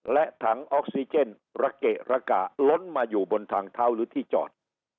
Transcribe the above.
และถังออกซิเจนระเกะระกะล้นมาอยู่บนทางเท้าหรือที่จอด